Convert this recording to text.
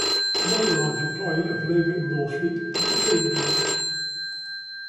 Another large employee of labour in Northfleet was the cable works.